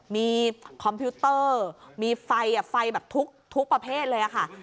มีคอมพิวเตอร์มีไฟไฟแบบทุกประเภทเลยค่ะ